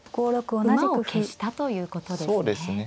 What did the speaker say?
馬を消したということですね。